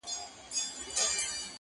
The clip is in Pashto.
زما یوه خواخوږي دوست -